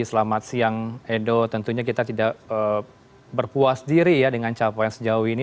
selamat siang edo tentunya kita tidak berpuas diri ya dengan capaian sejauh ini